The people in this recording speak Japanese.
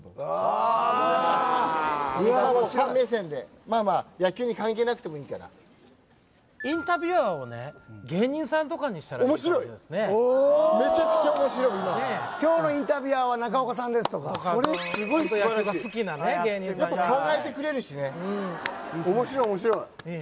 あっファン目線でまあまあ野球に関係なくてもいいからインタビュアーをね芸人さんとかにしたら面白いめちゃくちゃ面白い今今日のインタビュアーは中岡さんですとかあとホント野球が好きなね芸人さんやらやっぱ考えてくれるしねいいっすね